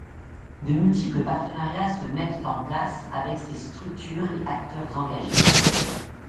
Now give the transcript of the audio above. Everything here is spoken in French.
De multiples partenariats se mettent en place avec ces structures et acteurs engagés.